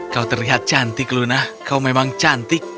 kau terlihat cantik luna kau memang cantik